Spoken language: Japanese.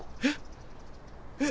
えっ？